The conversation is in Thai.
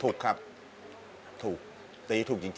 ถูกครับถูกตีถูกจริง